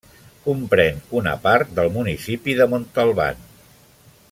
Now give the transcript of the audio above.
Comprèn una part del municipi de Montalban.